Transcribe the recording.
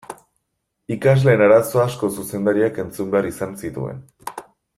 Ikasleen arazo asko zuzendariak entzun behar izaten zituen.